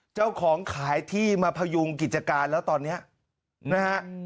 เจ้าของขายที่มาพยุงกิจการแล้วตอนนี้นะฮะ